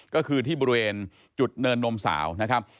ก็คือที่บริเวณจุดเนินนมสาวนะครับ